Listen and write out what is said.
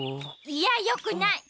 いやよくない。